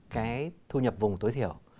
bốn cái thu nhập vùng tối thiểu